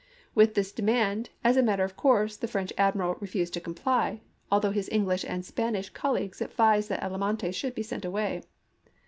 With this demand, as a matter of course, the French Admiral refused to comply, although his English and Spanish col leagues advised that Almonte should be sent away.